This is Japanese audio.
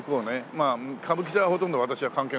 まあ歌舞伎座はほとんど私は関係ないですからね。